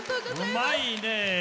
うまいね。